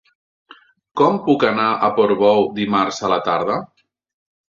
Com puc anar a Portbou dimarts a la tarda?